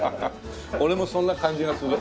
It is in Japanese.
俺もそんな感じがする。